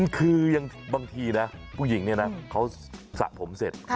คือบางทีนะผู้หญิงเนี่ยนะเขาสระผมเสร็จ